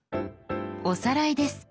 おさらいです。